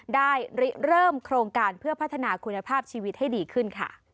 ได้เริ่มโครงการเพื่อพัฒนาคุณภาพชีวิตให้ดีขึ้นค่ะ